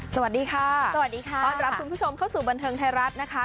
สวัสดีค่ะสวัสดีค่ะต้อนรับคุณผู้ชมเข้าสู่บันเทิงไทยรัฐนะคะ